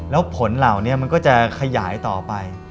แล้วผลเหล่านี้มันก็จะขยายต่อไป